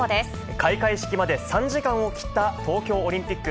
開会式まで３時間を切った東京オリンピック。